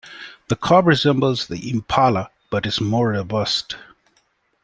The kob resembles the impala but is more robust.